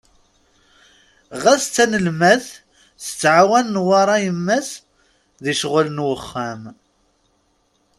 Ɣas d tanelmadt, tettɛawan Newwara yemma-s di ccɣel n wexxam.